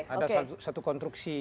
ada satu konstruksi